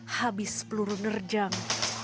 habis peluru nerjang